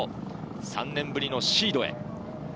３年ぶりのシードへ。